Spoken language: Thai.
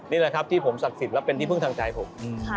นี่แหละครับที่ผมศักดิ์สิทธิ์และเป็นที่พึ่งทางใจผม